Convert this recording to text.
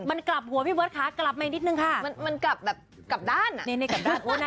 มันกลับหัวพี่เบิร์ตค่ะกลับมาอีกนิดหนึ่งค่ะมันมันกลับแบบ